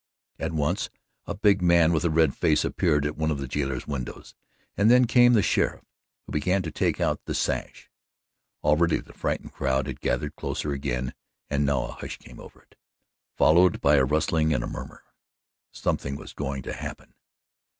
At once a big man with a red face appeared at one of the jailer's windows and then came the sheriff, who began to take out the sash. Already the frightened crowd had gathered closer again and now a hush came over it, followed by a rustling and a murmur. Something was going to happen.